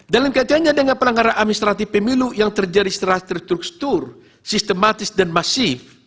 dalam kaitannya dengan pelanggaran administratif pemilu yang terjadi secara terstruktur sistematis dan masif